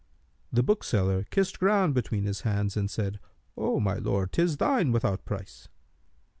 The bookseller kissed ground between his hands and said, "O my lord, 'tis thine without price.